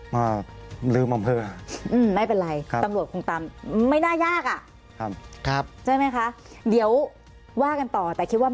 อำเภออะไรรู้ไหม